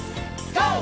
ＧＯ！